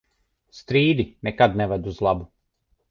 Strīdi nekad neved uz labu.